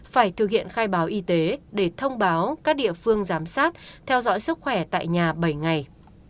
phải thực hiện khai báo y tế để thông báo các địa phương giám sát theo dõi sức khỏe tại nhà bảy ngày